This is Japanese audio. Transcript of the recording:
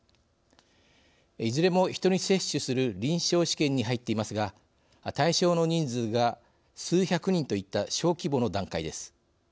いずれも、人に接種する臨床試験に入っていますが対象の人数が、数百人といった小規模の段階です。